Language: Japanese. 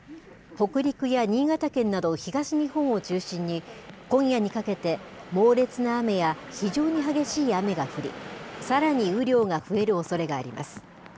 北陸や新潟県など東日本を中心に、今夜にかけて猛烈な雨や非常に激しい雨が降り、さらに雨量が増えるおそれがあります。